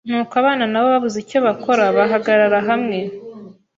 nuko abana nabo babuze icyo bakora bahagarara hamwe